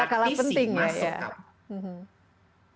dan praktisi masuk kampus